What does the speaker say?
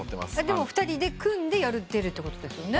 でも２人で組んで出るってことですよね？